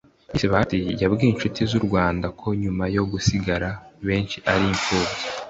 Miss Bahati yabwiye inshuti z’u Rwanda ko nyuma yo gusigara benshi ari imfubyi